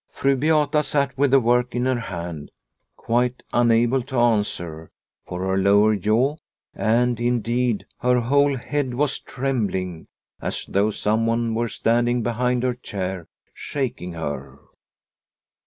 Fru Beata sat with the work in her hand, quite unable to answer, for her lower jaw, and indeed her whole head, was trembling as though some one were standing behind her chair shaking her.